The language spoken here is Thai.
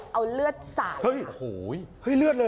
เอาเลือดสระเฮ้ยโหยเฮ้ยเลือดเลยเหรอ